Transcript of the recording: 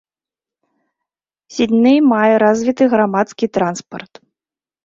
Сідней мае развіты грамадскі транспарт.